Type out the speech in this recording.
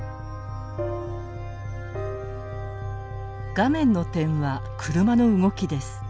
画面の点は車の動きです。